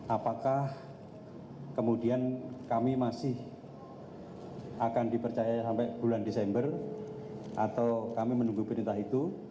apakah kemudian kami masih akan dipercaya sampai bulan desember atau kami menunggu perintah itu